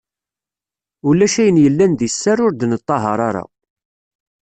Ulac ayen yellan di sser ur d-neṭṭahaṛ ara.